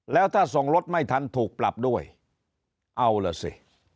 แล้วถ้าส่งรถไม่ทันถูกปรับด้วยเอาล่ะสิ